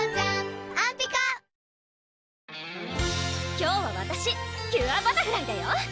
今日はわたしキュアバタフライだよ！